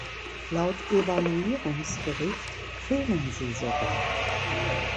Laut Evaluierungsbericht fehlen sie sogar.